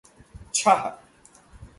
छः